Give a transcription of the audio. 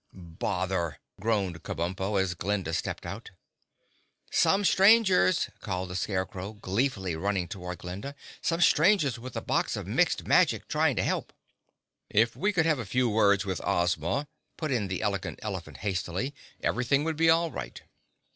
"Bother!" groaned Kabumpo, as Glinda stepped out. "Some strangers," called the Scarecrow, gleefully running toward Glinda, "some strangers with a box of Mixed Magic trying to help." "If we could have a few words with Ozma," put in the Elegant Elephant hastily, "everything would be all right."